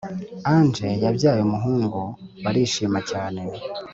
Ange yabyaye umuhungu barishima cyane